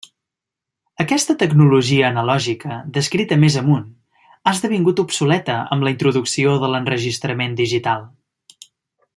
Aquesta tecnologia analògica descrita més amunt ha esdevingut obsoleta amb la introducció de l'enregistrament digital.